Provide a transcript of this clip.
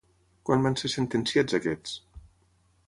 Quan van ser sentenciats aquests?